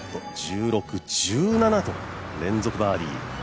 １６、１７と連続バーディー